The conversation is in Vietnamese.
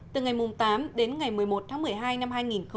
từ ngày tám đến ngày một mươi một tháng một mươi hai năm hai nghìn một mươi chín